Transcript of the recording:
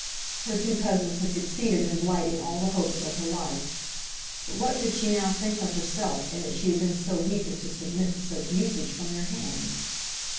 Her two cousins had succeeded in blighting all the hopes of her life; but what could she now think of herself in that she had been so weak as to submit to such usage from their hands?